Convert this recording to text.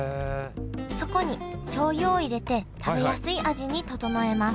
そこにしょうゆを入れて食べやすい味に調えます